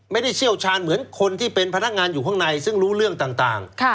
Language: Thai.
เชี่ยวชาญเหมือนคนที่เป็นพนักงานอยู่ข้างในซึ่งรู้เรื่องต่าง